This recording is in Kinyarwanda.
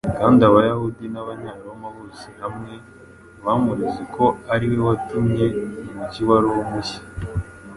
kandi Abayahudi n’Abanyaroma bose hamwe bamureze ko ari we watumye umujyi wa Roma ushya.